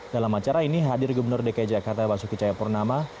dalam acara ini hadir gubernur dki jakarta basuki cayapurnama